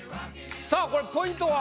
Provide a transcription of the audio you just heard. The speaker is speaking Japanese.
さあこれポイントは？